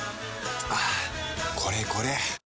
はぁこれこれ！